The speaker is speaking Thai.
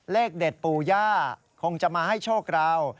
เลขเด็ดปู่ย่าคงจะมาให้โชคราว